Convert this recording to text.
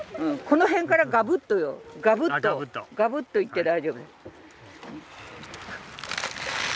この辺からガブっとガブっとガブっといって大丈夫です。